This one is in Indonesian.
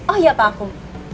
oh ya pak akung